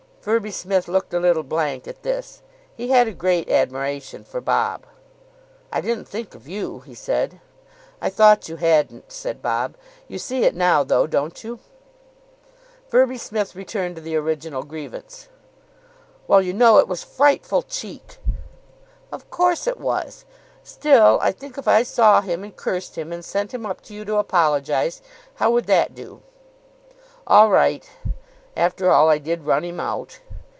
Firby Smith looked a little blank at this. He had a great admiration for Bob. "I didn't think of you," he said. "I thought you hadn't," said Bob. "You see it now, though, don't you?" Firby Smith returned to the original grievance. "Well, you know, it was frightful cheek." "Of course it was. Still, I think if I saw him and cursed him, and sent him up to you to apologise How would that do?" "All right. After all, I did run him out."